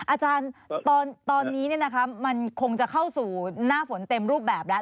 อาจารย์ตอนนี้มันคงจะเข้าสู่หน้าฝนเต็มรูปแบบแล้ว